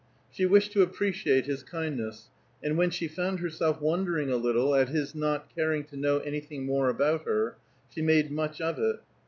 She wished to appreciate his kindness, and when she found herself wondering a little at his not caring to know anything more about her, she made much of it.